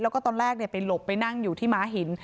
แล้วก็ตอนแรกไปหลบไปนั่งอยู่ที่ม้าหิน